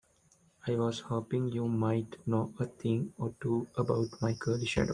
I was hoping you might know a thing or two about my surly shadow?